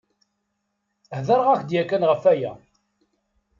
Hedreɣ-ak-d yakan ɣef aya?